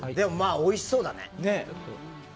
おいしそうだね。